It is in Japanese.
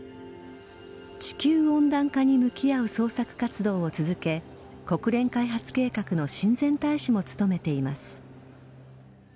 地球温暖化に向き合う創作活動を続け国連開発計画の親善大使も務めています。